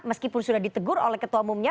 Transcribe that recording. meskipun sudah ditegur oleh ketua umumnya